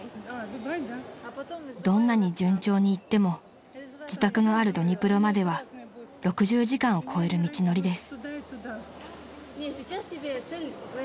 ［どんなに順調にいっても自宅のあるドニプロまでは６０時間を超える道のりです］